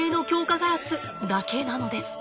ガラスだけなのです。